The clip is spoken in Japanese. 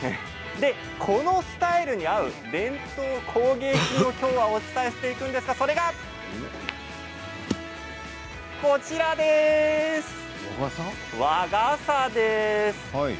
このスタイルに合う伝統工芸品をきょうはお伝えしていくんですがそれが、こちらです。